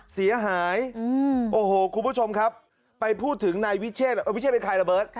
เสียหายโอ้โหคุณผู้ชมครับไปพูดถึงนายวิเชษวิเชษเป็นใครระเบิร์ต